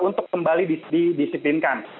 untuk kembali didisiplinkan